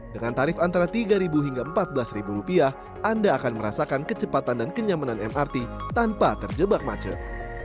dengan tarif antara rp tiga hingga rp empat belas rupiah anda akan merasakan kecepatan dan kenyamanan mrt tanpa terjebak macet